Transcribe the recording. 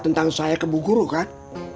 tentang saya ke bu guru kan